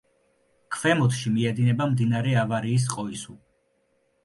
ქვემოთში მიედინება მდინარე ავარიის ყოისუ.